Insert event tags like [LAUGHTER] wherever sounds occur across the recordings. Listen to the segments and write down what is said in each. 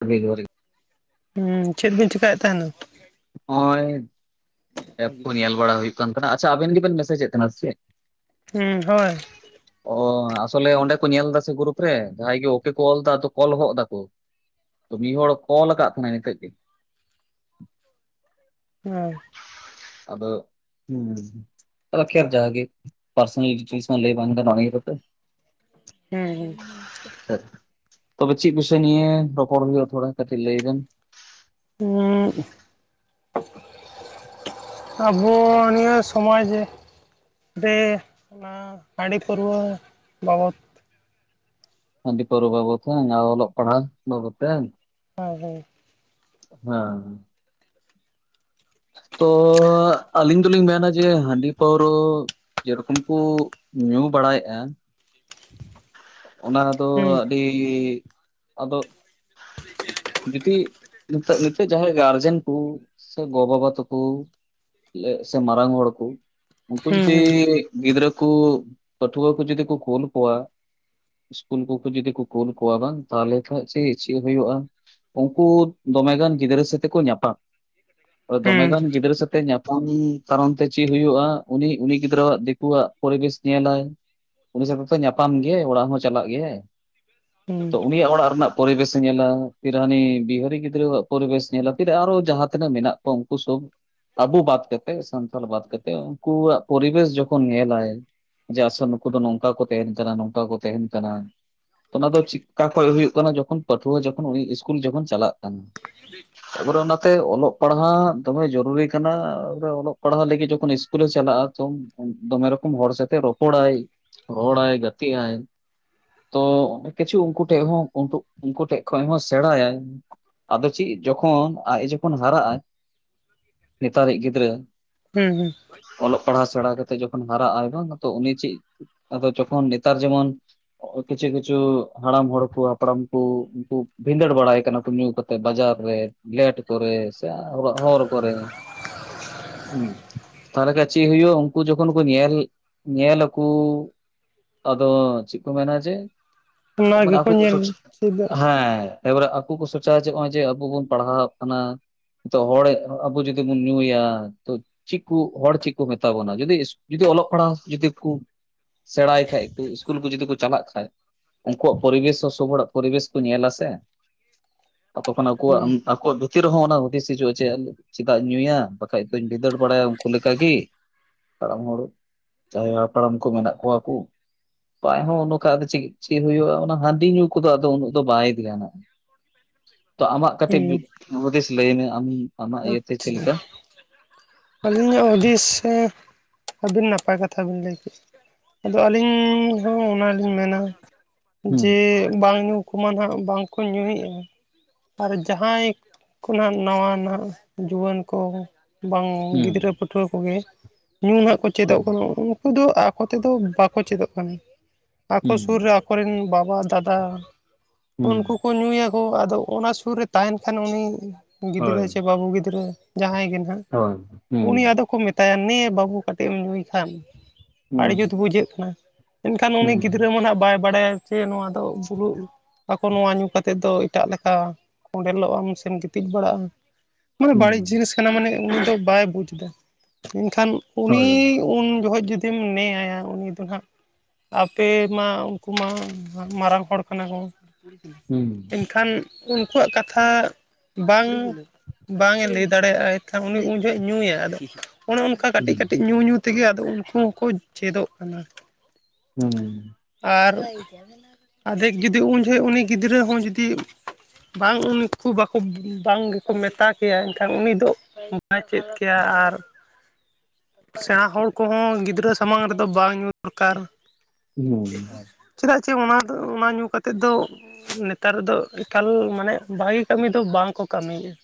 ᱦᱳᱭ [UNINTELLIGIBLE] ᱦᱩᱸ ᱪᱮᱫ ᱵᱤᱱ ᱪᱮᱠᱟᱭᱮᱫ ᱛᱟᱦᱮᱸᱱᱟ? ᱦᱚᱸᱜᱼᱚᱭ ᱠᱷᱮᱛ ᱠᱚ ᱧᱮᱞ ᱵᱟᱲᱟ ᱦᱩᱭᱩᱜ ᱠᱟᱱ ᱛᱟᱦᱮᱸᱱᱟ, ᱟᱪᱪᱷᱟ ᱟᱵᱮᱱ ᱜᱮᱵᱮᱱ ᱢᱮᱥᱮᱡ ᱮᱫ ᱛᱟᱦᱮᱸᱱᱟ ᱥᱮᱪᱮᱫ? ᱦᱩᱸ ᱦᱳᱭ᱾ ᱚᱻ ᱟᱥᱚᱞᱮ ᱚᱸᱰᱮ ᱠᱚ ᱧᱮᱞ ᱫᱟᱥᱮ ᱜᱨᱩᱨᱩᱯ ᱨᱮ ᱡᱟᱦᱟᱸᱭ ᱜᱮ ᱳᱠᱮ ᱠᱚ ᱚᱞᱫᱟ, ᱟᱫᱟᱚ ᱠᱚᱞᱦᱚᱜ ᱫᱟᱠᱚ᱾ ᱛᱚ ᱢᱤᱫ ᱦᱚᱲ ᱠᱚᱞ ᱠᱟᱜ ᱛᱟᱦᱮᱸᱱᱟᱭ ᱱᱤᱛᱚᱜᱼᱜᱮ᱾ ᱦᱮᱸ᱾ ᱟᱫᱚ ᱦᱩᱸ᱾ ᱟᱠᱷᱮᱨ ᱡᱟᱜᱮ ᱯᱟᱨᱥᱳᱱᱟᱞ ᱰᱤᱴᱮᱞᱥ ᱦᱚᱸ ᱞᱮᱭ ᱵᱟᱝ ᱜᱟᱱᱳᱜᱼᱟ ᱱᱤᱭᱟᱹ ᱠᱚᱛᱮ ᱦᱮᱸ ᱦᱮᱸ᱾ ᱛᱚᱵᱮ ᱪᱤᱜ ᱵᱤᱥᱚᱭ ᱱᱤᱭᱮ ᱨᱚᱯᱚᱲ ᱦᱳᱭᱳᱜᱼᱟ ᱛᱷᱚᱲᱟ ᱠᱟᱹᱴᱤᱡ ᱞᱟᱹᱭ ᱵᱮᱱ᱾ ᱩᱸᱜ ᱟᱵᱚ ᱱᱤᱭᱟᱹ ᱥᱚᱢᱟᱡ ᱨᱮ ᱫᱮ ᱚᱱᱟ ᱦᱟᱺᱰᱤ ᱯᱟᱹᱨᱣᱟᱹ ᱵᱟᱵᱚᱛ ᱦᱟᱺᱰᱤ ᱯᱟᱹᱨᱣᱟᱹ ᱵᱟᱵᱚᱫ ᱦᱮᱸ ᱟᱨ ᱚᱞᱚᱜ ᱯᱟᱲᱦᱟᱣ ᱵᱟᱵᱚᱫ ᱛᱮ ᱦᱮᱸ ᱦᱳᱭ᱾ ᱦᱮᱸ᱾ ᱛᱚ ᱟᱹᱞᱤᱧ ᱫᱩᱞᱤᱧ ᱢᱮᱱᱟ ᱡᱮ ᱦᱟᱺᱰᱤ ᱯᱟᱹᱣᱨᱟᱹ ᱡᱮᱨᱚᱠᱚᱢ ᱠᱩ ᱧᱩ ᱵᱟᱲᱟᱭᱮᱜᱼᱟ, ᱚᱱᱟ ᱨᱮᱫᱚ ᱦᱩᱸ᱾ ᱦᱤᱻ ᱟᱫᱚᱜ ᱡᱩᱫᱤ ᱱᱤᱛᱚᱜ ᱱᱤᱛᱚᱜ ᱡᱟᱦᱟᱸᱭ ᱜᱟᱨᱡᱮᱱ ᱠᱩ ᱥᱮ ᱜᱚ ᱵᱟᱵᱟ ᱛᱟᱠᱳ ᱥᱮ ᱢᱟᱨᱟᱝ ᱦᱚᱲ ᱠᱩ ᱩᱝᱠᱩ ᱡᱩᱫᱤ ᱦᱩᱸ ᱦᱩᱸ ᱜᱤᱫᱽᱨᱟᱹ ᱠᱩ ᱯᱴᱷᱩᱣᱟᱹ ᱠᱩ ᱡᱩᱫᱤ ᱠᱩ ᱠᱳᱞ ᱠᱚᱣᱟ ᱤᱥᱠᱩᱞ ᱠᱚᱠᱚ ᱡᱩᱫᱤ ᱠᱚ ᱠᱳᱞ ᱠᱚᱣᱟ ᱵᱟᱝ ᱛᱟᱦᱞᱮ ᱠᱷᱟᱡ ᱪᱤ ᱪᱤᱫ ᱦᱩᱭᱩᱜᱼᱟ? ᱩᱝᱠᱩ ᱫᱚᱢᱮᱜᱟᱱ ᱜᱤᱫᱽᱨᱟᱹ ᱥᱟᱹᱛᱮᱠᱚ ᱧᱟᱯᱟᱢ ᱫᱚᱢᱮ ᱦᱩᱸ ᱜᱟᱱ ᱜᱤᱫᱽᱨᱟᱹ ᱥᱟᱛᱮ ᱧᱟᱯᱟᱢ ᱠᱟᱨᱚᱱ ᱛᱮ ᱪᱤᱫ ᱦᱩᱭᱩᱜᱼᱟ ᱩᱱᱤ ᱩᱱᱤ ᱜᱤᱫᱽᱨᱟᱹᱣᱟᱜ ᱫᱤᱠᱩᱣᱟᱜ ᱯᱚᱨᱤᱵᱮᱥ ᱧᱮᱞᱟᱭ ᱩᱱᱤ ᱥᱟᱶᱛᱮ ᱧᱟᱯᱟᱢ ᱧᱟᱯᱟᱢ ᱜᱮ ᱚᱲᱟᱜ ᱦᱚᱸ ᱪᱟᱞᱟᱜ ᱜᱮᱭᱟᱭ [UNINTELLIGIBLE] ᱛᱚ ᱩᱱᱤᱭᱟᱜ ᱚᱲᱟᱜ ᱨᱮᱱᱟᱜ ᱯᱚᱨᱤᱵᱮᱥᱮ ᱧᱮᱞᱟ ᱯᱷᱤᱨ ᱦᱟᱹᱱᱤ ᱵᱤᱦᱟᱹᱨᱤ ᱜᱤᱫᱽᱨᱟᱹᱣᱟᱜ ᱯᱚᱨᱤᱵᱮᱥᱮ ᱧᱮᱞᱟ ᱯᱷᱤᱨ ᱟᱨᱚ ᱡᱟᱦᱟᱸ ᱛᱤᱱᱟᱹᱜ ᱢᱮᱱᱟᱜ ᱛᱚ ᱚᱝᱠᱩ ᱥᱚᱝ ᱟᱵᱩ ᱵᱟᱫ ᱠᱟᱛᱮᱫ ᱥᱟᱱᱛᱟᱲ ᱵᱟᱫ ᱠᱟᱛᱮ ᱩᱱᱠᱩᱣᱟᱜ ᱯᱚᱨᱤᱵᱮᱥ ᱡᱚᱠᱷᱚᱱ ᱧᱮᱞᱟᱭ ᱡᱮ ᱟᱥᱚᱞ ᱱᱩᱠᱩ ᱫᱚ ᱱᱚᱝᱠᱟ ᱠᱚ ᱛᱮᱦᱮᱱ ᱠᱟᱱᱟ ᱱᱚᱝᱠᱟ ᱠᱚ ᱛᱮᱦᱮᱱ ᱠᱟᱱᱟ ᱛᱚ ᱚᱱᱟᱫᱚ ᱪᱤᱜᱠᱟ ᱠᱷᱚᱡ ᱦᱩᱭᱩᱜ ᱠᱟᱱᱟ ᱡᱚᱠᱷᱚᱱ ᱯᱟᱹᱴᱷᱩᱣᱟᱹ ᱡᱚᱠᱷᱚᱱ ᱤᱥᱠᱩᱞ ᱡᱚᱠᱷᱚᱱ ᱪᱟᱞᱟᱜ ᱠᱟᱱᱟ ᱛᱟᱯᱚᱨᱮ ᱚᱱᱟᱛᱮ ᱚᱞᱚᱜ ᱯᱟᱲᱦᱟᱜ ᱫᱚᱢᱮ ᱡᱚᱨᱩᱨᱤ ᱠᱟᱱᱟ ᱚᱞᱚᱜ ᱯᱟᱲᱦᱟᱜ ᱞᱟᱹᱜᱤᱫ ᱡᱚᱠᱷᱚᱱ ᱤᱥ ᱠᱩᱞᱮ ᱪᱟᱞᱟᱜᱼᱟ ᱛᱚ ᱫᱚᱢᱮ ᱨᱚᱠᱚᱢ ᱦᱚᱲ ᱥᱟᱛᱮ ᱨᱚᱯᱚᱲᱟᱭ ᱨᱚᱲᱟᱭ ᱜᱟᱛᱮᱜ ᱟᱭ ᱛᱚ ᱠᱤᱪᱷᱩ ᱩᱱᱠᱩ ᱴᱷᱮᱡ ᱦᱚᱸ ᱩᱱᱠᱩ ᱴᱷᱮᱡ ᱠᱷᱚᱱ ᱦᱚᱸ ᱥᱮᱬᱟᱭᱟᱭ ᱟᱫᱚ ᱪᱤᱜ ᱡᱚᱠᱷᱚᱱ ᱟᱡ ᱡᱚᱠᱷᱚᱱ ᱦᱟᱨᱟᱜᱟᱭ ᱱᱮᱛᱟᱨᱤᱡ ᱜᱤᱫᱽᱨᱟᱹ ᱦᱩᱸ ᱦᱩᱸ ᱚᱞᱚᱜ ᱯᱟᱲᱦᱟᱜ ᱥᱮᱬᱟ ᱠᱟᱛᱮᱜ ᱡᱚᱠᱷᱚᱱ ᱦᱟᱨᱟᱜ ᱟᱭ ᱵᱟᱝ ᱢᱟᱛᱚ ᱩᱱᱤ ᱪᱤᱜ ᱟᱫᱚ ᱡᱚᱠᱷᱚᱱ ᱱᱮᱛᱟᱨ ᱡᱮᱢᱚᱱ ᱠᱤᱪᱷᱩ ᱠᱤᱪᱷᱩ ᱦᱟᱲᱟᱢ ᱦᱚᱲᱠᱩ ᱦᱟᱯᱲᱟᱢᱠᱩ ᱩᱱᱠᱩ ᱵᱷᱤᱸᱫᱟᱹᱲ ᱵᱟᱲᱟᱭ ᱠᱟᱱᱟ ᱠᱚ ᱧᱩ ᱛᱮ ᱵᱟᱡᱟᱨ ᱨᱮ ᱞᱮᱴ ᱠᱚᱨᱮ ᱥᱮ ᱦᱚᱨ ᱠᱚᱨᱮ ᱦᱩᱸ ᱛᱟᱦᱞᱮ ᱠᱷᱟᱡ ᱪᱤᱜ ᱦᱩᱭᱩᱜᱼᱟ ᱩᱱᱠᱩ ᱡᱚᱠᱷᱚᱱ ᱠᱚ ᱧᱮᱞ ᱧᱮᱞ ᱟᱹᱠᱩ ᱟᱫᱚ ᱪᱤᱜ ᱠᱚ ᱢᱮᱱᱟ ᱡᱮ ᱚᱱᱟ ᱢᱟᱱᱮ ᱜᱮᱠᱚ ᱟᱠᱩ ᱧᱮᱞ ᱪᱮᱫᱟ ᱦᱮᱸ ᱮᱵᱚᱨᱮ ᱟᱠᱚ ᱠᱚ ᱥᱚᱪᱟᱭᱚᱜᱼᱟ ᱡᱮ ᱱᱚᱜᱼᱚᱭ ᱡᱮ ᱟᱵᱚ ᱵᱚᱱ ᱯᱟᱲᱦᱟᱣᱟᱜ ᱠᱟᱱᱟ ᱛᱚ ᱦᱚᱲ ᱟᱵᱚ ᱡᱩᱫᱤ ᱵᱚᱱ ᱧᱩᱭᱟ ᱛᱚ ᱪᱤᱜ ᱠᱩ ᱦᱚᱲ ᱪᱤᱜ ᱠᱩ ᱢᱮᱛᱟ ᱵᱚᱱᱟ ᱡᱩᱫᱤ ᱡᱩᱫᱤ ᱚᱞᱚᱜ ᱯᱟᱲᱦᱟᱜ ᱡᱩᱫᱤ ᱠᱩ ᱥᱮᱬᱟᱭ ᱦᱮᱡᱠᱩ ᱤᱥᱠᱩᱞ ᱠᱩ ᱡᱚᱫᱤ ᱪᱟᱞᱟᱜ ᱠᱷᱟᱡ ᱩᱝᱠᱩᱣᱟᱜ ᱯᱚᱨᱤᱵᱮᱥ ᱥᱚ-ᱥᱚᱵᱦᱚᱲᱟᱜ ᱯᱚᱨᱤᱵᱮᱥ ᱠᱩ ᱧᱮᱞᱟᱥᱮ ᱛᱚᱠᱷᱚᱱ ᱟᱠᱩᱣᱟᱜ ᱦᱩᱸ ᱟᱠᱩᱣᱟᱜ ᱵᱷᱩᱛᱤ ᱨᱮ ᱦᱚᱸ ᱚᱱᱟ ᱦᱩᱫᱤᱥ ᱦᱤᱡᱩᱜᱼᱟ ᱡᱮ ᱪᱮᱫᱟᱜ ᱤᱧ ᱧᱩᱭᱟ ᱵᱟᱠᱷᱟᱡ ᱫᱩᱧ ᱵᱷᱤᱸᱫᱟᱹᱲ ᱵᱟᱲᱟᱭᱟ ᱩᱱᱠᱩ ᱞᱮᱠᱟᱠᱤ ᱦᱟᱲᱟᱢ ᱦᱚᱲ ᱡᱟᱦᱟᱸᱭ ᱦᱟᱯᱟᱲᱟᱢ ᱠᱩ ᱢᱮᱱᱟᱜ ᱠᱚᱣᱟ ᱠᱩ ᱵᱟᱭᱦᱚᱸ ᱱᱚᱜᱠᱷᱟᱡ ᱪᱤᱜ ᱪᱤᱜ ᱦᱩᱭᱩᱜᱼᱟ ᱚᱱᱟ ᱦᱟᱺᱰᱤ ᱧᱩ ᱠᱚᱫᱚ ᱟᱫᱚ ᱩᱱᱟᱹᱜ ᱫᱚ ᱵᱟᱭ ᱫᱤᱭᱟᱱᱟ ᱛᱚ ᱟᱢᱟᱜ ᱠᱟᱹᱴᱤᱡ ᱦᱩᱸ ᱦᱩᱫᱤᱥ ᱞᱟᱹᱭ ᱢᱮ ᱟᱢ ᱟᱢᱟᱜ ᱤᱭᱟᱹᱛᱮ ᱟᱪᱪᱷᱟ ᱪᱮᱫ ᱞᱮᱠᱟ? ᱟᱹᱞᱤᱧᱟᱜ ᱦᱩᱫᱤᱥ ᱥᱮ ᱟᱹᱵᱤᱱ ᱱᱟᱯᱟᱭ ᱠᱟᱛᱷᱟ ᱵᱤᱱ ᱞᱟᱹᱭ ᱠᱮᱫᱟ ᱟᱫᱚ ᱟᱹᱞᱤᱧ ᱦᱚᱸ ᱚᱱᱟᱞᱤᱧ ᱢᱮᱱᱟ ᱡᱮ ᱦᱩᱸ ᱵᱟᱝ ᱧᱩ ᱠᱚᱢᱟ ᱱᱟᱦᱟᱜ ᱵᱟᱝᱠᱚ ᱧᱩᱭᱮᱫᱟ ᱟᱨ ᱡᱟᱦᱟᱸᱭ ᱠᱚ ᱱᱟ ᱱᱟᱣᱟ ᱱᱟᱦᱼᱼ ᱡᱩᱣᱟᱹᱱ ᱠᱚ ᱵᱟᱝ ᱜᱤᱫᱽᱨᱟᱹ ᱦᱩᱸ ᱯᱟᱹᱴᱷᱩᱣᱟᱹ ᱠᱚᱜᱮ ᱧᱩ ᱱᱟᱜ ᱠᱚ ᱪᱮᱫᱚᱜ ᱦᱩᱸ ᱠᱟᱱᱟ ᱱᱚᱜᱚᱭ ᱱᱩᱠᱩ ᱫᱚ ᱟᱠᱚᱛᱮᱫᱚ ᱵᱟᱠᱚ ᱪᱮᱫᱚᱜ ᱠᱟᱱᱟ ᱟᱠᱚ ᱥᱩᱨ ᱦᱩᱸ ᱨᱮ ᱟᱠᱚ ᱨᱮᱱ ᱵᱟᱵᱟ ᱫᱟᱫᱟ ᱩᱱᱠᱩ ᱦᱩᱸ ᱠᱚ ᱧᱩᱭᱟ ᱦᱚ ᱟᱫᱚ ᱚᱱᱟ ᱥᱩᱨ ᱨᱮ ᱛᱟᱦᱮᱱ ᱠᱷᱟᱱ ᱩᱱᱤ ᱜᱤᱫᱽᱨᱟᱹ ᱦᱳᱭ ᱥᱮ ᱵᱟᱹᱵᱩ ᱜᱤᱫᱽᱨᱟᱹ ᱡᱟᱦᱟᱸᱭ ᱜᱮ ᱱᱟᱦᱟᱜ ᱦᱳᱭ ᱩᱱᱤ ᱦᱩᱸ ᱟᱫᱚ ᱠᱚ ᱢᱮᱛᱟᱭᱟ ᱱᱮ ᱵᱟᱹᱵᱩ ᱠᱟᱹᱴᱤᱡ ᱮᱢ ᱧᱩᱭ ᱠᱷᱟᱱ ᱟᱹᱰᱤ ᱦᱩᱸ ᱦᱩᱸ ᱡᱩᱛ ᱵᱩᱡᱷᱟᱹᱜ ᱠᱟᱱᱟ ᱮᱱᱠᱷᱟᱱ ᱩᱱᱤ ᱜᱤᱫᱽᱨᱟᱹ ᱦᱩᱸ ᱢᱟ ᱦᱟᱜ ᱵᱟᱭ ᱵᱟᱲᱟᱭᱟ ᱡᱮ ᱱᱚᱣᱟ ᱫᱚ ᱵᱩᱞᱩᱜ ᱟᱠᱚ ᱱᱚᱣᱟ ᱧᱩ ᱠᱟᱛᱮᱫ ᱫᱚ ᱮᱴᱟᱜ ᱞᱮᱠᱟ ᱠᱚᱸᱰᱮᱞᱚᱜ ᱟᱢ ᱥᱮᱢ ᱜᱤᱛᱤᱡ ᱵᱟᱲᱟᱜᱼᱟ ᱢᱟᱱᱮ ᱵᱟᱹᱲᱤᱡ ᱡᱤᱱᱤᱥ ᱠᱟᱱᱟ ᱢᱟᱱᱮ ᱩᱱᱤ ᱫᱚ ᱵᱟᱭ ᱵᱩᱡᱽ ᱮᱫᱟ ᱢᱮᱱᱠᱷᱟᱱ ᱩᱱᱤ ᱦᱳᱭ ᱩᱱ ᱡᱚᱠᱷᱚᱱ ᱡᱩᱫᱤᱢ ᱱᱮᱭᱟ ᱩᱱᱤ ᱫᱚ ᱟᱜ ᱟᱯᱮ ᱢᱟ ᱩᱱᱠᱩ ᱢᱟ ᱢᱟᱨᱟᱝ ᱦᱚᱲ ᱠᱟᱱᱟ ᱠᱚ ᱦᱩᱸ ᱮᱱᱠᱷᱟᱱ ᱩᱱᱠᱩᱣᱟᱜ ᱠᱟᱛᱷᱟ ᱵᱟᱝ ᱵᱟᱝ ᱮ ᱞᱟᱹᱭ ᱫᱟᱲᱮᱭᱟᱜᱼᱟ, ᱩᱱᱤ ᱩᱱ ᱡᱚᱦᱚᱜ ᱧᱩᱭᱟ, ᱟᱫᱚ ᱚᱱᱮ ᱚᱱᱠᱟ ᱠᱟᱹᱴᱤᱡ ᱦᱩᱸ ᱠᱟᱹᱴᱤᱡ ᱧᱩ ᱧᱩ ᱛᱮᱜᱮ ᱟᱫᱚ ᱩᱱᱠᱩ ᱦᱚᱸᱠᱚ ᱪᱮᱫᱚᱜ ᱠᱟᱱᱟ᱾ ᱦᱮᱸ ᱟᱨ ᱟᱫᱷᱮᱠ ᱡᱩᱫᱤ ᱩᱱ ᱡᱚᱦᱚᱜ ᱩᱱᱤ ᱜᱤᱫᱽᱨᱟᱹ ᱦᱚᱸ ᱡᱩᱫᱤ ᱵᱟᱝ ᱩᱱᱠᱩ ᱵᱟᱠᱚ ᱵᱟᱝ ᱜᱮᱠᱚ ᱢᱮᱛᱟ ᱠᱮᱭᱟ ᱮᱱᱠᱷᱟᱱ ᱩᱱᱤ ᱫᱚ ᱵᱟᱭ ᱪᱮᱫ ᱠᱮᱭᱟ ᱟᱨ ᱥᱮᱬᱟ ᱦᱚᱲ ᱠᱚᱦᱚᱸ ᱜᱤᱫᱽᱨᱟᱹ ᱥᱟᱢᱟᱝ ᱨᱮᱫᱚ ᱵᱟᱝ ᱧᱩ ᱫᱚᱨᱠᱟᱨ ᱦᱩᱸ ᱦᱩᱸ ᱪᱮᱫᱟᱜ ᱪᱮ ᱚᱱᱟ ᱫᱚ ᱚᱱᱟ ᱧᱩ ᱠᱟᱛᱮ ᱫᱚ ᱱᱮᱛᱟᱨ ᱫᱚ ᱮᱠᱟᱞ ᱢᱟᱱᱮ ᱵᱷᱟᱜᱮ ᱠᱟᱹᱢᱤ ᱫᱚ ᱵᱟᱝ ᱠᱚ ᱠᱟᱹᱢᱤ ᱮᱭᱟ᱾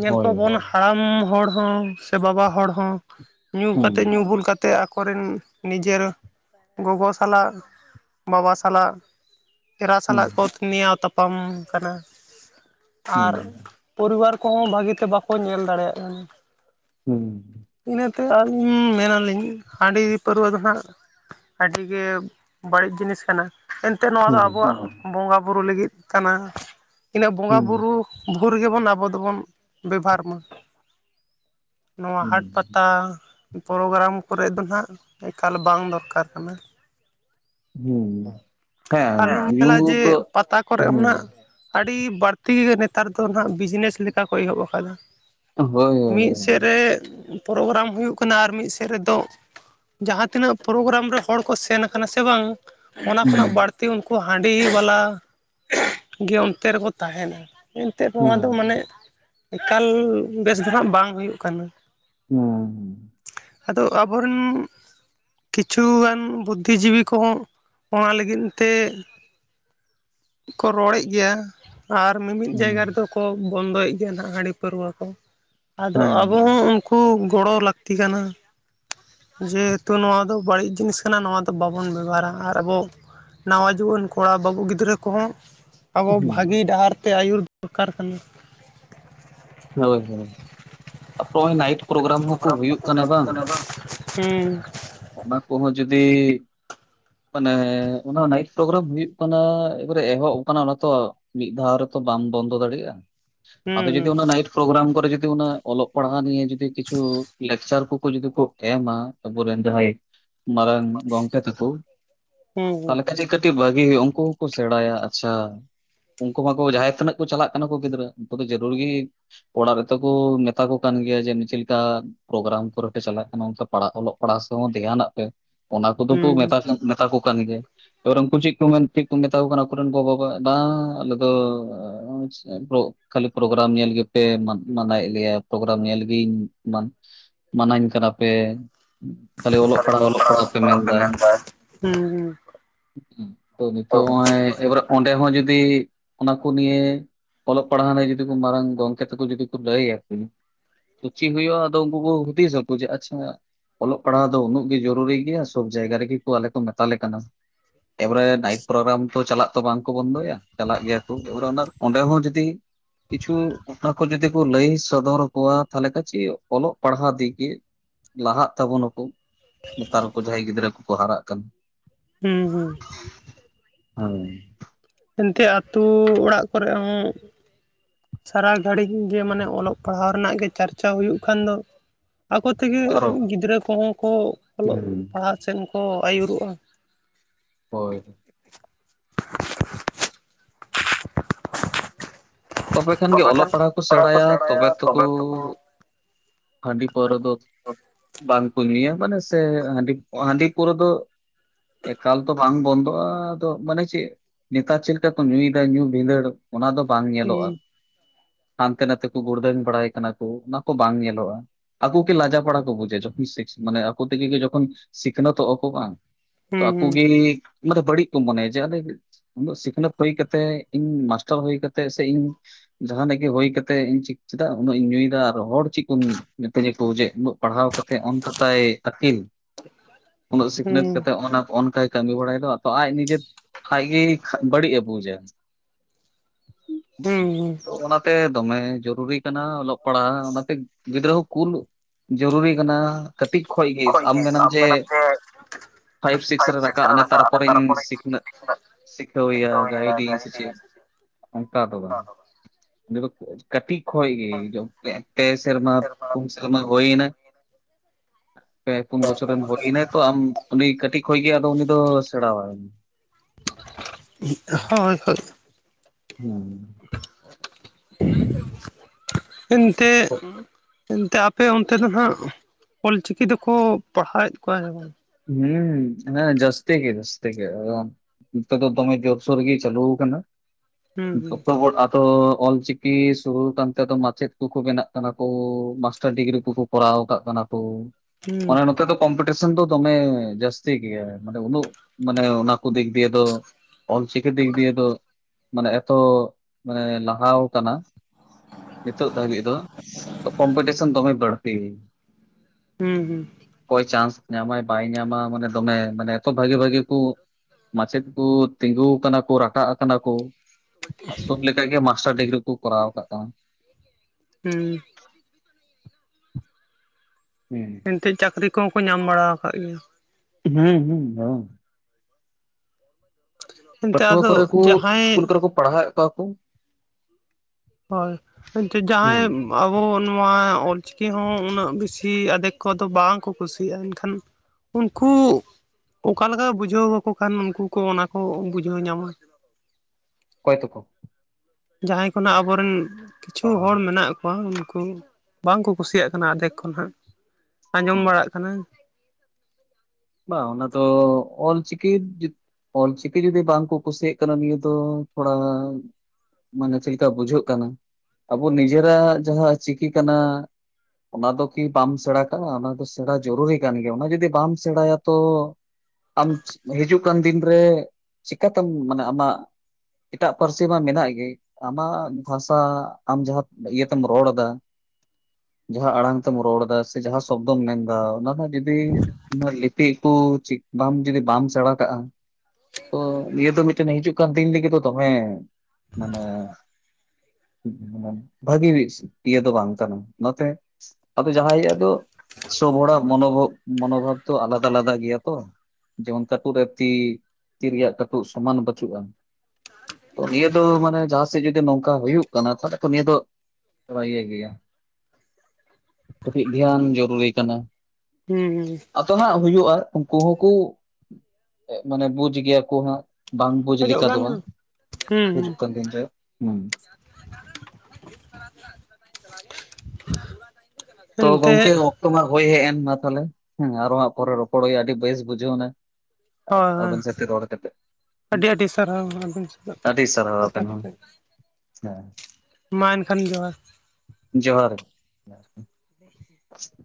ᱧᱮᱞ ᱦᱳᱭ ᱠᱚᱣᱟᱵᱚᱱ ᱦᱟᱲᱟᱢ ᱦᱚᱲ ᱦᱚᱸ ᱥᱮ ᱵᱟᱵᱟ ᱦᱚᱲ ᱦᱚᱸ ᱧᱩ ᱠᱟᱛᱮ ᱦᱩᱸ ᱧᱩ ᱵᱩᱞ ᱠᱟᱛᱮ ᱛᱮ ᱟᱠᱚᱨᱮᱱ ᱱᱤᱡᱮᱨ ᱜᱚᱜᱚ ᱥᱟᱞᱟᱜ ᱵᱟᱵᱟ ᱥᱟᱞᱟᱜ ᱮᱨᱟ ᱦᱩᱸ ᱥᱟᱞᱟᱜ ᱠᱚ ᱱᱮᱭᱟᱣ ᱛᱟᱯᱟᱢ ᱠᱟᱱᱟ ᱟᱨ ᱦᱩᱸ ᱯᱚᱨᱤᱵᱟᱨ ᱠᱚᱦᱚᱸ ᱵᱷᱟᱹᱜᱤ ᱛᱮ ᱵᱟᱠᱚ ᱧᱮᱞ ᱫᱟᱲᱮᱭᱟᱜ ᱠᱟᱱᱟ᱾ ᱦᱩᱸ ᱤᱱᱟᱹᱛᱮ ᱟᱹᱞᱤᱧ ᱢᱮᱱ ᱟᱞᱤᱧ ᱦᱟᱺᱰᱤ ᱯᱟᱹᱨᱣᱟᱹ ᱫᱚ ᱦᱟᱸᱜ ᱟᱹᱰᱤ ᱜᱮ ᱵᱟᱹᱲᱤᱡ ᱡᱤᱱᱤᱥ ᱠᱟᱱᱟ᱾ ᱮᱱᱛᱮᱫ ᱱᱚᱣᱟ ᱫᱚ ᱦᱩᱸ ᱟᱵᱚᱣᱟᱜ ᱵᱚᱸᱜᱟ ᱵᱩᱨᱩ ᱞᱟᱹᱜᱤᱫ ᱠᱟᱱᱟ ᱤᱱᱟᱹ ᱵᱚᱸᱜᱟ ᱦᱩᱸ ᱵᱩᱨᱩ ᱵᱷᱳᱨ ᱜᱮᱵᱚᱱ ᱟᱵᱚ ᱫᱚᱵᱚᱱ ᱵᱮᱵᱷᱟᱨ ᱢᱟ, ᱱᱚᱣᱟ ᱦᱟᱴ ᱯᱟᱛᱼᱼ ᱟᱨ ᱦᱩᱸ ᱯᱨᱳᱜᱨᱟᱢ ᱠᱚᱨᱮ ᱫᱚ ᱱᱟᱦᱟᱜ ᱮᱠᱟᱞ ᱵᱟᱝ ᱫᱚᱨᱠᱟᱨ ᱠᱟᱱᱟ᱾ ᱦᱩᱸ ᱦᱮᱸ ᱟᱨ ᱧᱩ ᱧᱮᱞᱟ ᱡᱮ ᱫᱚ ᱯᱟᱛᱟ ᱠᱚᱨᱮ ᱦᱚᱸ ᱱᱟᱜ ᱦᱩᱸ ᱟᱹᱰᱤ ᱵᱟᱹᱲᱛᱤ ᱜᱮ ᱱᱮᱛᱟᱨ ᱫᱚ ᱱᱟᱜ ᱵᱤᱡᱽᱱᱮᱥ ᱞᱮᱠᱟ ᱠᱚ ᱮᱦᱚᱵ ᱟᱠᱟᱫᱟ᱾ ᱦᱳᱭ ᱢᱤᱫ ᱦᱳᱭ ᱥᱮᱫ ᱨᱮ ᱯᱨᱳᱜᱨᱟᱢ ᱦᱩᱭᱩᱜ ᱠᱟᱱᱟ ᱟᱨ ᱢᱤᱫ ᱥᱮᱫ ᱨᱮᱫᱚ ᱡᱟᱦᱟᱸ ᱛᱤᱱᱟᱹᱜ ᱯᱨᱳᱜᱨᱟᱢ ᱨᱮ ᱦᱚᱲ ᱠᱚ ᱥᱮᱱ ᱟᱠᱟᱱᱟ ᱥᱮ ᱵᱟᱝ ᱚᱱᱟ ᱠᱷᱚᱱᱟᱜ ᱦᱩᱸ ᱵᱟᱹᱲᱛᱤ ᱩᱱᱠᱩ ᱦᱟᱺᱰᱤ ᱵᱟᱞᱟ ᱜᱮ ᱚᱱᱛᱮ ᱨᱮᱠᱚ ᱛᱟᱦᱮᱱᱟ᱾ ᱮᱱᱛᱮᱫ ᱱᱚᱣᱟ ᱫᱚ ᱦᱮᱸ ᱢᱟᱱᱮ ᱮᱠᱟᱞ ᱵᱮᱥ ᱫᱚ ᱦᱟᱜ ᱵᱟᱝ ᱦᱩᱭᱩᱜ ᱠᱟᱱᱟ᱾ ᱦᱮᱸ ᱟᱫᱚ ᱟᱵᱚᱨᱮᱱ ᱠᱤᱪᱷᱩ ᱜᱟᱱ ᱵᱩᱫᱽᱫᱷᱤ ᱡᱤᱵᱤ ᱠᱚᱦᱚᱸ ᱚᱱᱟ ᱞᱟᱹᱜᱤᱫ ᱛᱮ ᱠᱚ ᱨᱚᱲᱮᱫ ᱜᱮᱭᱟ ᱟᱨ ᱢᱤᱢᱤᱫ ᱦᱮᱸ ᱡᱟᱭᱜᱟ ᱦᱮᱸ ᱨᱮᱫᱚ ᱠᱚ ᱵᱚᱱᱫᱚᱭᱮᱫ ᱜᱮᱭᱟ ᱱᱟᱦᱟᱜ ᱦᱟᱺᱰᱤ ᱯᱟᱹᱨᱣᱟᱹ ᱠᱚ ᱟᱫᱚ ᱟᱵᱚ ᱦᱮᱸ ᱦᱚᱸ ᱩᱱᱠᱩ ᱜᱚᱲᱚ ᱞᱟᱹᱠᱛᱤ ᱠᱟᱱᱟ᱾ ᱡᱮᱦᱮᱛᱩ ᱱᱚᱣᱟ ᱫᱚ ᱵᱟᱹᱲᱤᱡ ᱡᱤᱱᱤᱥ ᱠᱟᱱᱟ, ᱱᱚᱣᱟ ᱫᱚ ᱵᱟᱵᱚᱱ ᱵᱮᱵᱚᱦᱟᱨᱟ ᱟᱨ ᱟᱵᱚ ᱱᱟᱣᱟ ᱡᱩᱣᱟᱹᱱ ᱠᱚᱲᱟ ᱵᱟᱹᱵᱩ ᱜᱤᱫᱽᱨᱟᱹ ᱠᱚᱦᱚᱸ ᱟᱵᱚ ᱦᱩᱸ ᱵᱷᱟᱹᱜᱤ ᱰᱟᱦᱟᱨ ᱛᱮ ᱟᱹᱭᱩᱨ ᱫᱚᱨᱠᱟᱨ ᱠᱟᱱᱟ ᱾ ᱦᱳᱭ ᱦᱳᱭ ᱾ ᱛᱟᱯᱚᱨ ᱱᱚᱜᱼᱚᱭ ᱱᱟᱭᱤᱴ ᱯᱨᱳᱜᱨᱟᱢ ᱦᱚᱸᱠᱚ ᱦᱩᱭᱩᱜ ᱠᱟᱱᱟ ᱵᱟᱝ ᱾ ᱦᱩᱸ ᱾ ᱚᱱᱟ ᱠᱚᱦᱚᱸ ᱡᱚᱫᱤ ᱢᱟᱱᱮ ᱚᱱᱟ ᱱᱟᱭᱤᱴ ᱯᱨᱳᱜᱨᱟᱢ ᱦᱩᱭᱩᱜ ᱠᱟᱱᱟ, ᱮᱵᱟᱨᱮ ᱮᱦᱚᱵ ᱟᱠᱟᱱᱟ ᱚᱱᱟ ᱛᱚ ᱢᱤᱫ ᱫᱷᱟᱣ ᱨᱮᱛᱚ ᱵᱟᱢ ᱵᱚᱱᱫᱚ ᱫᱟᱲᱮᱭᱟᱜᱼᱟ ᱾ ᱦᱩᱸ ᱟᱫᱚ ᱡᱩᱫᱤ ᱦᱩᱸ ᱚᱱᱟ ᱱᱟᱭᱤᱴ ᱯᱨᱳᱜᱨᱟᱢ ᱠᱚᱨᱮ ᱡᱩᱫᱤ ᱚᱱᱟ ᱚᱞᱚᱜ ᱯᱟᱲᱦᱟᱜ ᱱᱤᱭᱮ ᱡᱩᱫᱤ ᱠᱤᱪᱷᱩ ᱞᱮᱠᱪᱟᱨ ᱠᱚᱠᱚ ᱡᱩᱫᱤ ᱠᱚ ᱮᱢᱟ ᱟᱵᱚᱨᱮᱱ ᱡᱟᱦᱟᱸᱭ, ᱢᱟᱨᱟᱝ ᱜᱚᱝᱠᱮ ᱛᱟᱠᱚ, ᱦᱩᱸ ᱛᱟᱦᱞᱮ ᱠᱷᱟᱡ ᱪᱤᱠᱟᱹᱛᱮ ᱵᱷᱟᱜᱤ ᱦᱩᱭᱳᱜᱼᱟ, ᱩᱱᱠᱩ ᱦᱚᱸᱠᱚ ᱥᱮᱬᱟᱭᱟ ᱟᱪᱪᱷᱟ ᱾ ᱩᱱᱠᱩ ᱢᱟᱠᱚ ᱡᱟᱦᱟᱸᱭ ᱛᱤᱱᱟᱹᱜ ᱠᱚ ᱪᱟᱞᱟᱜ ᱠᱟᱱᱟ ᱠᱚ ᱜᱤᱫᱽᱨᱟᱹ ᱩᱱᱠᱩ ᱫᱚ ᱡᱟᱹᱨᱩᱲ ᱜᱮ ᱚᱲᱟᱜ ᱨᱮᱛᱚ ᱠᱚ ᱢᱮᱛᱟ ᱠᱚ ᱠᱟᱱ ᱜᱮᱭᱟ ᱡᱮ ᱪᱮᱫ ᱞᱮᱠᱟ ᱯᱨᱳᱜᱨᱟᱢ ᱠᱚᱨᱮ ᱯᱮ ᱪᱟᱞᱟᱜ ᱠᱟᱱᱟ ᱚᱱᱠᱟ ᱯᱟᱲᱦᱟᱜ ᱚᱞᱚᱜ ᱯᱟᱲᱦᱟᱣ ᱥᱮ ᱦᱚᱸ ᱫᱷᱮᱭᱟᱱᱟᱜ ᱯᱮ, ᱚᱱᱟ ᱠᱚᱫᱚ ᱠᱚ ᱦᱩᱸ ᱢᱮᱛᱟ ᱠᱩ ᱢᱮᱛᱟ ᱠᱚ ᱠᱟᱱ ᱜᱮᱭᱟ ᱾ ᱯᱟᱨ ᱩᱱᱠᱩ ᱪᱮᱫ ᱠᱚ ᱢᱮᱱ ᱪᱮᱫ ᱠᱚ ᱢᱮᱛᱟ ᱠᱚ ᱠᱟᱱᱟ ᱟᱠᱚ ᱨᱮᱱ ᱜᱚ ᱵᱟᱵᱟ ᱵᱟᱝ ᱟᱞᱮᱫᱚ ᱯᱨᱚ ᱠᱷᱟᱹᱞᱤ ᱯᱚᱨᱚᱜᱮᱨᱟᱢ ᱧᱮᱞ ᱜᱮᱯᱮ ᱢᱟ ᱢᱟᱱᱟᱣᱮᱫ ᱞᱮᱭᱟ, ᱯᱚᱨᱚᱜᱮᱨᱟᱢ ᱧᱮᱞ ᱜᱤ ᱢᱟᱱ ᱢᱟᱱᱟᱧ ᱠᱟᱱᱟ ᱯᱮ ᱾ ᱠᱷᱟᱹᱞᱤ ᱚᱞᱚᱜ ᱯᱟᱲᱦᱟᱜ ᱚᱞᱚᱜ ᱯᱟᱲᱦᱟᱜ ᱯᱮ ᱢᱮᱱᱫᱟ ᱦᱩᱸ ᱦᱩᱸ ᱾ ᱦᱩᱸ ᱛᱚ ᱱᱤᱛᱚᱜ ᱱᱚᱜᱼᱚᱭ ᱮᱵᱟᱨᱮ ᱚᱸᱰᱮ ᱦᱚᱸ ᱡᱩᱫᱤ ᱚᱱᱟ ᱠᱚ ᱱᱤᱭᱮ ᱚᱞᱚᱜ ᱯᱟᱲᱦᱟᱣ ᱨᱮ ᱡᱩᱫᱤ ᱠᱚ ᱢᱟᱨᱟᱝ ᱜᱚᱝᱠᱮ ᱛᱟᱠᱚ ᱡᱩᱫᱤ ᱠᱚ ᱞᱟᱹᱭᱟ ᱠᱩ ᱪᱤᱫ ᱦᱩᱭᱩᱜᱼᱟ ᱟᱫᱚ ᱩᱱᱠᱩ ᱠᱚ ᱦᱩᱫᱤᱥ ᱟᱠᱚ ᱡᱮ ᱟᱪᱪᱷᱟ ᱚᱞᱚᱜ ᱯᱟᱲᱦᱟᱜ ᱫᱚ ᱩᱱᱟᱹᱜ ᱜᱮ ᱡᱚᱨᱩᱨᱤ ᱜᱮᱭᱟ ᱥᱚᱵ ᱡᱟᱭᱜᱟ ᱨᱮ ᱜᱮ ᱠᱚ ᱟᱞᱮ ᱠᱚ ᱢᱮᱛᱟ ᱞᱮ ᱠᱟᱱᱟ ᱾ ᱮᱵᱟᱨᱮ ᱱᱟᱭᱤᱴ ᱯᱨᱳᱜᱨᱟᱢ ᱛᱚ ᱪᱟᱞᱟᱜ ᱛᱚ ᱵᱟᱝᱠᱚ ᱵᱚᱱᱫᱚᱭᱟ ᱾ ᱪᱟᱞᱟᱜ ᱜᱮᱭᱟ ᱠᱚ ᱚᱸᱰᱮ ᱦᱚᱸ ᱡᱩᱫᱤ ᱠᱤᱪᱷᱩ ᱚᱱᱟ ᱠᱚ ᱡᱩᱫᱤ ᱠᱚ ᱞᱟᱹᱭ ᱥᱚᱫᱚᱨ ᱟᱠᱚᱣᱟ, ᱛᱟᱦᱚᱞᱮ ᱠᱷᱟᱡ ᱪᱮᱫ ᱦᱩᱭᱩᱜᱟ ᱚᱞᱚᱜ ᱯᱟᱲᱦᱟᱣ ᱫᱤᱠ ᱫᱤᱭᱮ ᱞᱟᱦᱟᱜ ᱛᱟᱵᱚᱱᱟ ᱠᱚ ᱱᱮᱛᱟᱨ ᱠᱚ ᱡᱟᱦᱟᱸᱭ ᱜᱤᱫᱽᱨᱟᱹ ᱠᱚ ᱠᱚ ᱦᱟᱨᱟᱜ ᱠᱟᱱᱟ ᱾ ᱦᱩᱸ ᱦᱮᱸ ᱮᱱᱛᱮ ᱟᱛᱩ ᱚᱲᱟᱜ ᱠᱚᱨᱮ ᱦᱚᱸ ᱥᱟᱨᱟ ᱜᱷᱟᱹᱲᱤᱡ ᱜᱮ ᱢᱟᱱᱮ ᱚᱞᱚᱜ ᱯᱟᱲᱦᱟᱣ ᱨᱮᱱᱟᱜ ᱜᱮ ᱪᱟᱨᱪᱟᱣ ᱦᱩᱭᱩᱜ ᱠᱷᱟᱱ ᱫᱚ ᱟᱠᱚ ᱛᱮ ᱜᱮ ᱟᱨᱚ ᱜᱤᱫᱽᱨᱟᱹ ᱠᱚᱦᱚᱸ ᱠᱚ ᱚᱞᱚᱜ ᱦᱮᱸ ᱯᱟᱲᱦᱟᱜ ᱥᱮᱫ ᱠᱚ ᱟᱹᱭᱩᱨᱚᱜᱼᱟ᱾ ᱦᱳᱭ ᱛᱚᱵᱮ ᱠᱷᱟᱱ ᱜᱮ ᱚᱞᱚᱜ ᱯᱟᱲᱦᱟᱜ ᱠᱚ ᱥᱮᱬᱟᱭᱟ ᱛᱚᱵᱮ ᱛᱚ ᱠᱚ ᱦᱟᱺᱰᱤ ᱯᱟᱹᱣᱨᱟᱹ ᱫᱚ ᱵᱟᱝ ᱠᱚ ᱧᱩᱭᱟ ᱢᱟᱱᱮ ᱥᱮ ᱦᱟᱺᱰᱤ ᱦᱟᱺᱰᱤ ᱯᱟᱹᱣᱨᱟᱹ ᱫᱚ ᱮᱠᱟᱞ ᱫᱚ ᱵᱟᱝ ᱵᱚᱱᱫᱚᱜᱼᱟ ᱾ ᱛᱚ ᱢᱟᱱᱮ ᱪᱮᱜ ᱱᱮᱛᱟᱨ ᱪᱮᱫ ᱞᱮᱠᱟ ᱠᱚ ᱧᱩᱭᱮᱫᱟ ᱧᱩ ᱵᱷᱸᱤᱫᱟᱹᱲ ᱚᱱᱟ ᱫᱚ ᱵᱟᱝ ᱜᱮ ᱦᱩᱸ ᱦᱟᱱᱛᱮ ᱱᱟᱛᱮ ᱠᱚ ᱜᱩᱲᱫᱟᱹᱝ ᱵᱟᱲᱟᱭ ᱠᱟᱱᱟ ᱠᱚ ᱚᱱᱟ ᱠᱚ ᱵᱟᱝ ᱧᱮᱞᱚᱜᱼᱟ᱾ ᱟᱠᱩ ᱠᱮ ᱞᱟᱡᱟ ᱯᱟᱲᱟ ᱠᱚ ᱵᱩᱡᱟ, ᱡᱚᱠᱷᱚᱱ ᱥᱤᱠ ᱢᱟᱱᱮ ᱟᱠᱚ ᱛᱮ ᱜᱮ ᱡᱚᱠᱷᱚᱱ ᱥᱤᱠᱷᱱᱟᱹᱛ ᱛᱚᱜᱟᱠᱚ ᱵᱟᱝ ᱾ ᱛᱚ ᱟᱠᱩ ᱦᱩᱸ ᱜᱤ ᱢᱟᱱᱮ ᱵᱟᱹᱲᱤᱡ ᱠᱚ ᱢᱚᱱᱮᱭᱟ ᱡᱮ ᱟᱞᱮ ᱩᱱᱟᱜ ᱥᱤᱠᱷᱱᱟᱹᱛ ᱦᱩᱭ ᱠᱟᱛᱮ ᱤᱧ ᱢᱟᱥᱴᱟᱨ ᱦᱩᱭ ᱠᱟᱛᱮ ᱥᱮ ᱤᱧ ᱡᱟᱦᱟᱸᱱᱟᱜ ᱜᱮ ᱦᱩᱭ ᱠᱟᱛᱮ ᱤᱧ ᱪᱮᱫᱟ ᱩᱱᱟᱹᱜ ᱤᱧ ᱧᱩᱭᱮᱫᱟ ᱟᱨ ᱦᱚᱲ ᱪᱮᱫ ᱠᱚ ᱢᱤ ᱢᱮᱛᱟᱧᱟ᱾ ᱛᱩᱡᱮ ᱩᱱᱟᱹᱜ ᱯᱟᱲᱦᱟᱣ ᱠᱟᱛ ᱛᱮ ᱚᱱᱠᱟ ᱛᱟᱭ ᱟᱹᱠᱤᱞ ᱩᱱᱟᱹᱜ ᱦᱩᱸ ᱥᱤᱠᱷᱱᱟᱹᱛ ᱠᱟᱛᱮ ᱦᱚᱜᱚᱱᱟ ᱠᱚ ᱚᱱᱠᱟ ᱠᱟᱹᱢᱤ ᱵᱟᱲᱟᱭ ᱫᱟ ᱛᱚ ᱟᱡ ᱱᱤᱡᱮ ᱟᱡᱜᱮ ᱵᱟᱹᱲᱤᱡ ᱮ ᱵᱩᱡᱟ᱾ ᱦᱩᱸ ᱦᱩᱸ ᱛᱚ ᱚᱱᱟ ᱛᱮ ᱫᱚᱢᱮ ᱡᱚᱨᱩᱨᱤ ᱠᱟᱱᱟ ᱚᱞᱚᱜ ᱯᱟᱲᱟᱜ ᱚᱱᱟᱛᱮ ᱜᱤᱫᱽᱨᱟᱹ ᱦᱚᱸ ᱠᱩᱨᱩ ᱡᱚᱨᱩᱨᱤ ᱠᱟᱱᱟ ᱾ ᱠᱟᱹᱴᱤᱠ ᱠᱷᱚᱭ ᱜᱮ ᱟᱢ ᱢᱮᱱᱟᱢ ᱡᱮ ᱯᱷᱟᱭᱤᱵ ᱥᱤᱠᱥ ᱨᱮ ᱨᱟᱠᱟᱵ ᱱᱮᱛᱟᱨᱯᱚᱨᱮᱧ ᱥᱤᱠᱷᱱᱟᱹᱛ ᱥᱤᱠᱷᱟᱣ ᱮᱭᱟ ᱜᱟᱭᱰ ᱮᱭᱟ ᱥᱮ ᱪᱮ ᱛᱟ ᱫᱚ ᱵᱟᱝ ᱠᱟᱹᱴᱤᱡ ᱠᱷᱚᱱ ᱜᱮ ᱯᱮ ᱥᱮᱨᱢᱟ ᱯᱩᱱ ᱥᱮᱨᱢᱟ ᱦᱩᱭᱱᱟ ᱯᱮ ᱯᱩᱱ ᱵᱚᱪᱷᱚᱨ ᱨᱮᱱ ᱦᱩᱭᱱᱟ ᱛᱚ ᱟᱢ ᱩᱱᱤ ᱠᱟᱹᱴᱤᱡ ᱠᱷᱳᱡ ᱜᱮᱭ ᱟᱫᱚ ᱩᱱᱤ ᱫᱚ ᱥᱮᱲᱟᱣᱟᱭ ᱦᱳᱭ ᱦᱳ ᱦᱩᱸ ᱮᱱᱛᱮ ᱮᱱᱛᱮ ᱟᱯᱮ ᱚᱱᱛᱮ ᱫᱚ ᱦᱟᱸᱜ ᱚᱞᱪᱤᱠᱤ ᱫᱚᱠᱚ ᱯᱟᱲᱦᱟᱣᱮᱫ ᱠᱚᱣᱟ ᱥᱮ ᱵᱟᱝ? ᱦᱩᱸ ᱦᱮᱸ ᱡᱟᱹᱥᱛᱤ ᱜᱮ ᱡᱟᱹᱥᱛᱤ ᱜᱮ ᱟᱫᱚ ᱱᱤᱛᱚᱜ ᱫᱚ ᱫᱚᱢᱮ ᱡᱳᱨᱼᱥᱳᱨ ᱜᱮ ᱪᱟᱹᱞᱩ ᱠᱟᱱᱟ, ᱦᱩᱸ ᱦᱩᱸ ᱡᱷᱚᱛᱚ ᱦᱚᱲ ᱟᱫᱚ ᱚᱞᱪᱤᱠᱤ ᱥᱩᱨᱩ ᱠᱟᱱᱛᱮᱫᱚ ᱢᱟᱪᱮᱫ ᱠᱚᱠᱚ ᱵᱮᱱᱟᱜ ᱠᱟᱱᱟ ᱠᱩ ᱢᱟᱥᱴᱟᱨ ᱰᱤᱜᱨᱤ ᱠᱚᱠᱚ ᱠᱚᱨᱟᱣ ᱠᱟᱜ ᱠᱟᱱᱟ ᱠᱩ᱾ ᱦᱩᱸ ᱢᱟᱱᱮ ᱱᱚᱛᱮ ᱫᱚ ᱠᱚᱢᱯᱤᱴᱤᱥᱚᱱ ᱫᱚ ᱫᱚᱢᱮᱸ ᱡᱟ. ᱥᱛᱤ ᱜᱮᱭᱟ, ᱢᱟᱱᱮ ᱩᱱᱟ. ᱜ ᱢᱟᱱᱮ ᱚᱱᱟ ᱠᱚ ᱫᱤᱠ ᱫᱤᱭᱮ ᱫᱚ ᱚᱞᱪᱤᱠᱤ ᱫᱤᱠ ᱫᱤᱭᱮ ᱫᱚ ᱢᱟᱱᱮ ᱮᱛᱚ ᱢᱟᱱᱮ ᱞᱟᱦᱟᱣ ᱠᱟᱱᱟ ᱱᱤᱛᱳᱜ ᱫᱷᱟᱹᱵᱤᱡ ᱫᱚ ᱛᱚ ᱠᱚᱢᱯᱤᱴᱤᱥᱮᱱ ᱫᱚᱢᱮ ᱵᱟᱹᱲᱛᱤ ᱦᱩᱸ ᱦᱩᱸ᱾ ᱚᱠᱚᱭ ᱪᱟᱱᱥ ᱧᱟᱢᱟᱭ ᱵᱟᱭ ᱧᱟᱢᱟ ᱢᱟᱱᱮ ᱫᱚᱢᱮ ᱢᱟᱱᱮ ᱮᱛᱚ ᱵᱷᱟ. ᱜᱤ ᱵᱷᱟ. ᱜᱤ ᱠᱩ ᱢᱟᱪᱮᱫ ᱠᱩ ᱛᱤᱸᱜᱩ ᱠᱟᱱᱟ ᱠᱚ ᱨᱟᱠᱟᱵ ᱠᱟᱱᱟ ᱠᱚ ᱟᱥᱳᱜ ᱞᱮᱠᱟᱜᱮ ᱢᱟᱥᱴᱟᱨ ᱰᱤᱜᱽᱨᱤ ᱠᱚ ᱠᱚᱨᱟᱣ ᱠᱟᱫ ᱛᱟᱢᱟ᱾ ᱦᱩᱸ᱾ ᱦᱩᱸ᱾ ᱮᱱᱛᱮᱜ ᱪᱟᱹᱠᱨᱤ ᱠᱚᱦᱚᱸ ᱠᱚ ᱧᱟᱢ ᱵᱟᱲᱟ ᱠᱟᱜ ᱜᱮᱭᱟ᱾ ᱦᱩᱸ ᱦᱩᱸ ᱦᱩᱸ [INAUDIBLE] ᱮᱱᱛᱮ ᱯᱟᱹᱴᱷᱩᱣᱟᱹ ᱠᱚᱨᱮ ᱟᱫᱚ ᱠᱩ ᱤᱥᱠᱩᱞ ᱡᱟᱦᱟᱸᱭ ᱠᱚᱨᱮ ᱠᱚ ᱯᱟᱲᱦᱟᱣᱮᱫ ᱠᱚᱣᱟ ᱠᱩ᱾ ᱦᱳᱭ ᱴᱷᱤᱠ ᱜᱮᱭᱟ ᱦᱟᱸᱜᱼᱟᱭ ᱩᱸ ᱟᱵᱚ ᱱᱚᱣᱟ ᱚᱞᱪᱤᱠᱤ ᱦᱚᱸ ᱩᱱᱟᱹᱜ ᱵᱮᱥᱤ ᱟᱫᱷᱮᱠ ᱠᱚᱫᱚ ᱵᱟᱝ ᱠᱚ ᱠᱩᱥᱤᱭᱟᱜᱼᱟ, ᱮᱱᱠᱷᱟᱱ ᱩᱱᱠᱩ ᱚᱠᱟ ᱞᱮᱠᱟ ᱵᱩᱡᱷᱟᱹᱣ ᱟᱠᱚ ᱠᱷᱟᱱ ᱩᱱᱠᱩ ᱠᱚ ᱚᱱᱟ ᱠᱚ ᱵᱩᱡᱷᱟᱹᱣ ᱧᱟᱢᱟ᱾ ᱚᱠᱚᱭ ᱛᱟᱠᱚ? ᱡᱟᱦᱟᱸᱭ ᱠᱷᱚᱱᱟᱜ ᱟᱵᱚᱨᱮᱱ ᱠᱤᱪᱷᱩ ᱦᱚᱲ ᱢᱮᱱᱟᱜ ᱠᱚᱣᱟ ᱩᱱᱠᱩ ᱵᱟᱝᱠᱚ ᱠᱩᱥᱤᱭᱟᱜ ᱠᱟᱱᱟ ᱟᱫᱷᱮᱠ ᱠᱷᱚᱱ ᱦᱟᱸᱜ ᱟᱡᱚᱢ ᱵᱟᱲᱟᱜ ᱠᱟᱱᱟ᱾ ᱵᱟᱝ ᱚᱱᱟ ᱛᱚ ᱚᱞᱪᱤᱠᱤ ᱚᱞᱪᱤᱠᱤ ᱡᱩᱫᱤ ᱵᱟᱝᱠᱚ ᱠᱩᱥᱤᱭᱟᱜ ᱠᱟᱱᱟ ᱱᱤᱭᱟᱹ ᱫᱚ ᱛᱷᱚᱲᱟ ᱢᱟᱱᱮ ᱪᱮᱫ ᱞᱮᱠᱟ ᱵᱩᱡᱷᱟᱹᱜ ᱠᱟᱱᱟ ᱟᱵᱚ ᱱᱤᱡᱮᱨᱟᱜ ᱡᱟᱦᱟᱸ ᱪᱤᱠᱤ ᱠᱟᱱᱟ ᱚᱱᱟ ᱫᱚ ᱠᱤ ᱵᱟᱢ ᱥᱮᱬᱟ ᱠᱟᱜ-ᱟ ᱚᱱᱟ ᱫᱚ ᱥᱮᱲᱟ ᱡᱚᱨᱩᱨᱤ ᱠᱟᱱ ᱜᱮᱭᱟ ᱚᱱᱟ ᱡᱩᱫᱤ ᱵᱟᱢ ᱥᱮᱬᱟᱭᱟ ᱛᱚ ᱟᱢ ᱦᱤᱡᱩᱜ ᱠᱟᱱ ᱫᱤᱱ ᱨᱮ ᱪᱤᱠᱟᱛᱮᱢ ᱢᱟᱱᱮ ᱟᱢᱟᱜ ᱮᱴᱟᱜ ᱯᱟᱹᱨᱥᱤ ᱢᱟ ᱢᱮᱱᱟᱜ ᱜᱮ, ᱟᱢᱟᱜ ᱵᱷᱟᱥᱟ ᱟᱢ ᱡᱟᱦᱟᱸ ᱤᱭᱟᱹᱛᱮᱢ ᱨᱚᱲ ᱫᱟ, ᱡᱟᱦᱟᱸ ᱟᱲᱟᱝ ᱛᱮᱢ ᱨᱚᱲ ᱫᱟ ᱥᱮ ᱡᱟᱦᱟᱸ ᱥᱚᱵᱫᱚᱢ ᱢᱮᱱ ᱫᱟ ᱚᱱᱟ ᱨᱮᱱᱟᱜ ᱡᱩᱫᱤ ᱚᱱᱟ ᱞᱤᱯᱤ ᱠᱩ ᱪᱤᱠ ᱵᱟᱢ ᱡᱩᱫᱤ ᱵᱟᱢ ᱥᱮᱬᱟ ᱠᱟᱜᱼᱟ, ᱛᱚ ᱱᱤᱭᱟᱹ ᱫᱚ ᱢᱤᱫᱴᱮᱱ ᱦᱤᱡᱩᱜ ᱠᱟᱱ ᱫᱤᱱ ᱞᱟᱹᱜᱤᱫ ᱫᱚ ᱫᱚᱢᱮ ᱢᱟᱱᱮ ᱵᱷᱟᱹᱜᱤ [UNINTELLIGIBLE] ᱤᱭᱟᱹ ᱫᱚ ᱵᱟᱝ ᱠᱟᱱᱟ, ᱱᱚᱛᱮ ᱟᱫᱚ ᱡᱟᱦᱟᱸᱟᱭ ᱟᱫᱚ ᱥᱚᱵ ᱦᱚᱲᱟᱜ ᱢᱚᱱᱚᱵᱷᱚᱵ ᱢᱚᱱᱚᱵᱷᱟᱵ ᱫᱚ ᱟᱞᱟᱫᱟ ᱟᱞᱟᱫᱟ ᱜᱮᱭᱟ ᱛᱚ, ᱡᱮᱢᱚᱱ ᱠᱟᱹᱴᱩᱵ ᱨᱮ ᱛᱤ ᱛᱤ ᱨᱮᱭᱟᱜ ᱠᱟᱹᱴᱩᱵ ᱥᱚᱢᱟᱱ ᱵᱟᱹᱪᱩᱜᱼᱟ᱾ ᱱᱤᱭᱟᱹ ᱫᱚ ᱢᱟᱱᱮ ᱡᱟᱦᱟᱸ ᱥᱮᱫ ᱡᱚᱫᱤ ᱱᱚᱝᱠᱟ ᱦᱩᱭᱩᱜ ᱠᱟᱱᱟ ᱛᱟᱦᱚᱞᱮ ᱱᱤᱭᱟᱹ ᱫᱚ ᱤᱭᱟᱹ ᱜᱮᱭᱟ ᱠᱟᱹᱴᱤᱡ ᱫᱷᱮᱭᱟᱱ ᱡᱟᱨᱩᱨᱤ ᱠᱟᱱᱟ᱾ ᱦᱩᱸ ᱦᱩᱸ᱾ ᱟᱫᱚ ᱦᱟᱸᱜ ᱦᱩᱭᱩᱜᱼᱟ ᱩᱱᱠᱩ ᱦᱚᱸᱠᱩ ᱮᱜ ᱢᱟᱱᱮ ᱵᱩᱡ ᱜᱮᱭᱟ ᱠᱚ ᱦᱟᱸᱜ᱾ ᱵᱟᱝ ᱵᱩᱡ ᱠᱷᱚᱡᱚᱜ ᱞᱮᱠᱟ ᱫᱚ ᱠᱟᱱ ᱵᱟᱝ ᱦᱩᱸ ᱦᱤᱡᱩᱜ ᱠᱟᱱ ᱫᱤᱱ ᱨᱮ ᱦᱩᱸ᱾ [INAUDIBLE] ᱛᱚ ᱜᱚᱝᱠᱮ ᱮᱱᱛᱮᱜ ᱚᱠᱛᱚ ᱢᱟ ᱦᱳᱭ ᱦᱮᱡ ᱮᱱ ᱢᱟ ᱛᱟᱦᱞᱮ ᱦᱮᱸ ᱟᱨ ᱦᱟᱸᱜ ᱯᱚᱨᱮ ᱨᱚᱯᱚᱲ ᱦᱩᱭᱩᱜᱼᱟ, ᱟᱹᱰᱤ ᱵᱮᱥ ᱵᱩᱡᱷᱟᱹᱣᱱᱟ᱾ ᱦᱳᱭ ᱦᱳᱭ ᱟᱵᱮᱱ ᱥᱮᱫ ᱛᱮ, ᱨᱚᱲ ᱠᱟ ᱛᱮᱫ ᱟᱹᱰᱤ ᱟᱹᱰᱤ ᱥᱟᱨᱦᱟᱣ, ᱢᱟ ᱟᱹᱵᱤᱱ ᱥᱟᱞᱟᱜ ᱟᱹᱰᱤ ᱥᱟᱨᱦᱟᱣ ᱠᱟᱛᱷᱟ ᱟᱵᱮᱱ ᱦᱚᱸ ᱠᱟᱛᱮᱫ ᱾ ᱦᱮᱸ ᱢᱟ! ᱮᱱᱠᱷᱟᱱ ᱡᱚᱦᱟᱨ ᱾ ᱡᱚᱦᱟᱨ ᱾ [UNINTELLIGIBLE] ᱪᱮᱼᱮᱼᱡ ᱾